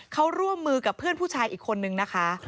เขาร่วมมือกับเพื่อนผู้ชายอีกคนนึงนะคะ